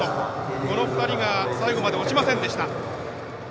この２人が最後まで落ちませんでした。